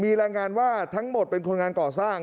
มีรายงานว่าทั้งหมดเป็นคนงานก่อสร้าง